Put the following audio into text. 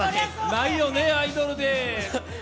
ないよね、アイドルで。